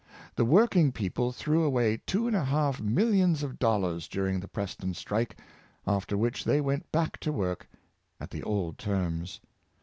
The working people threw away two and a half millions of dollars during the Preston strike, after which they went back to work at the old terms.